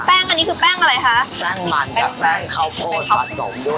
อันนี้คือแป้งอะไรคะแป้งมันแป้งข้าวโพดผสมด้วย